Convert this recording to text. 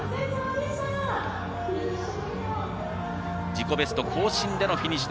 自己ベスト更新でのフィニッシュ。